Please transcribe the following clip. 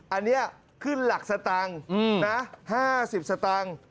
อันเนี้ยขึ้นหลักสตางค์อืมนะห้าสิบสตางค์